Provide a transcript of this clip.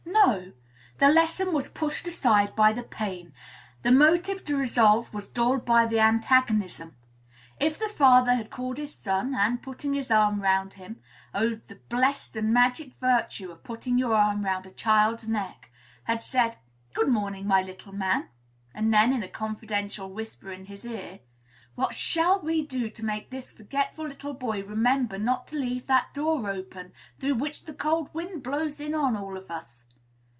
No. The lesson was pushed aside by the pain, the motive to resolve was dulled by the antagonism. If that father had called his son, and, putting his arm round him, (oh! the blessed and magic virtue of putting your arm round a child's neck!) had said, "Good morning, my little man;" and then, in a confidential whisper in his ear, "What shall we do to make this forgetful little boy remember not to leave that door open, through which the cold wind blows in on all of us?"